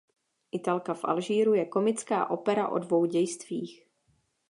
Italka v Alžíru je komická opera o dvou dějstvích.